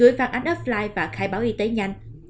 gửi phản ánh offline và khai báo y tế nhanh